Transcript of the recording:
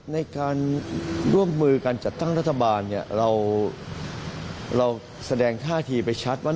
ในการร่วมมือการจัดตั้งรัฐบาลเนี่ยเราแสดงท่าทีไปชัดว่า